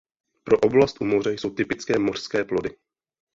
Pro oblast u moře jsou typické mořské plody.